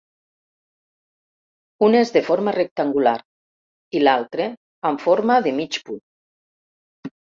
Un és de forma rectangular i l'altre amb forma de mig punt.